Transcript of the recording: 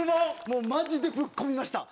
もうマジでぶっ込みました。